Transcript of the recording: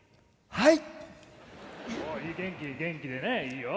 はい。